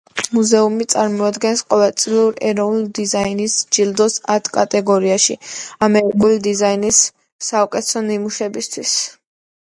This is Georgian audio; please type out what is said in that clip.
მუზეუმი წარმოადგენს ყოველწლიურ ეროვნული დიზაინის ჯილდოს ათ კატეგორიაში „ამერიკული დიზაინის საუკუთესო ნიმუშებისთვის“.